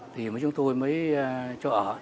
thì chúng tôi mới cho ở